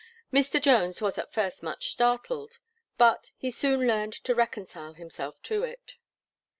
Mr. Jones was at first much startled; but, he soon learned to reconcile himself to it.